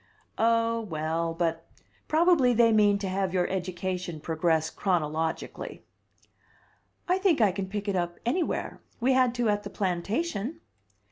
"Oh, well but probably they mean to have your education progress chronologically." "I think I can pick it up anywhere. We had to at the plantation."